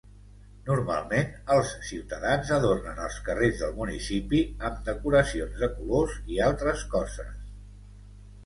Normalment, els ciutadans adornen els carrers del municipi amb decoracions de colors i altres coses.